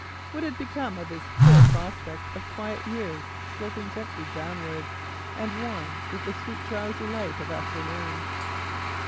What had become of his fair prospect of quiet years sloping gently downwards, and warm with the sweet drowsy light of afternoon?